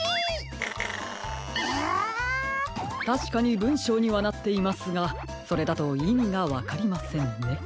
たしかにぶんしょうにはなっていますがそれだといみがわかりませんね。